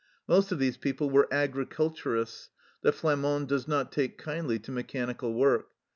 Most of these people were agriculturists the Flamand does not take kindly to mechanical work.